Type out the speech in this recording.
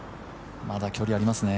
まだ距離はありますね。